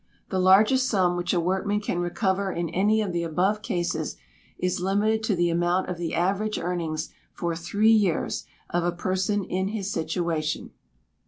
The largest sum which a workman can recover in any of the above cases is limited to the amount of the average earnings for three years of a person in his situation.